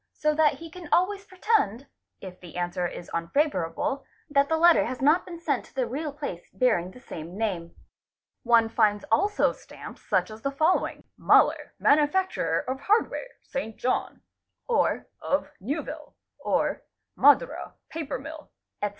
so that he can always pretend, if the answer is unfavourable, that the letter has not been sent to the real place bearing the same name. One finds also stamps such as the following, "Muller, Manufacturer of Hard ware, St. Jean"', or "of Newville', or 'Madura Paper Mill', etc.